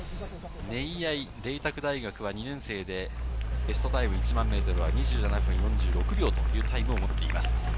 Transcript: ネイヤイ、麗澤大学は２年生でベストタイム１００００ｍは２７分４６秒というタイムを持っています。